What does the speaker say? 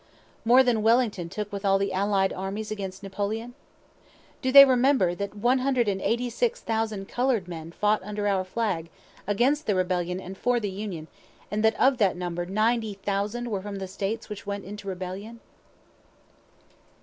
more than Wellington took with all the allied armies against Napoleon? Do they remember that 186,000 color'd men fought under our flag against the rebellion and for the Union, and that of that number 90,000 were from the States which went into rebellion?"